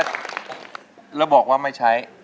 เราบอกว่าไม่ใช้